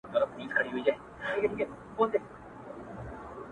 • اوس دېوالونه هم غوږونه لري ,